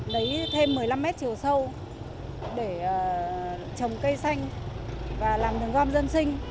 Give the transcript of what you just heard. lấy thêm một mươi năm mét chiều sâu để trồng cây xanh và làm đường gom dân sinh